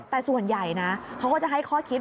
แต่ส่วนใหญ่นะเขาก็จะให้ข้อคิด